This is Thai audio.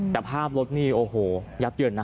แต่ภาพรถนี่โอ้โหยับเยินนะ